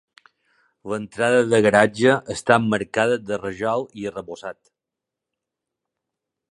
L'entrada de garatge està emmarcada de rajol i arrebossat.